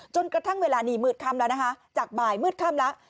จนกระทั่งเวลานี้มืดค่ำแล้วนะคะจากบ่ายมืดค่ำแล้ว